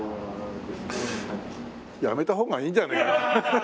やめた方がいいんじゃねえかな？